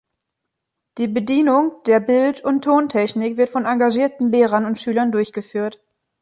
Die Bedienung der Bild- und Tontechnik wird von engagierten Lehrern und Schülern durchgeführt.